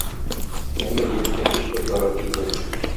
Әмма егеткә һичбер зарар килмәде.